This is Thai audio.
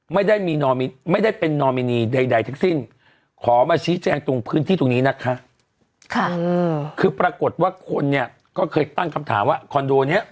ไม่ได้เป็นนอมินีใดทั้งสิ้น